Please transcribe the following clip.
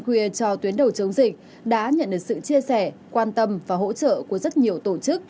khuya cho tuyến đầu chống dịch đã nhận được sự chia sẻ quan tâm và hỗ trợ của rất nhiều tổ chức